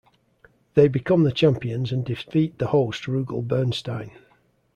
They become the champions and defeat the host Rugal Bernstein.